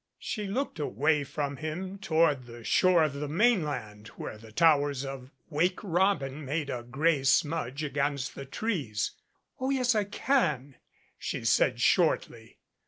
She looked away from him toward the shore of the mainland where the towers of "Wake Robin" made a gray smudge against the trees. "Oh, yes, I can," she said shortly.